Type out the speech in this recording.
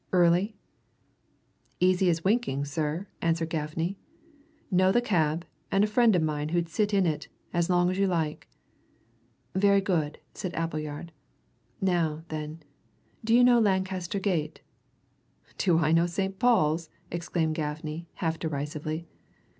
Early." "Easy as winking, sir," answered Gaffney. "Know the cab, and know a friend o'mine who'd sit in it as long as you like." "Very good," said Appleyard. "Now, then, do you know Lancaster Gate?" "Do I know St. Paul's?" exclaimed Gaffney, half derisively.